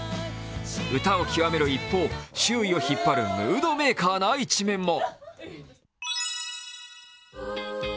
歌を極める一方、周囲を引っ張るムードメーカーな一面も。